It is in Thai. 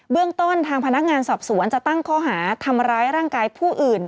เรื่องต้นทางพนักงานสอบสวนจะตั้งข้อหาทำร้ายร่างกายผู้อื่น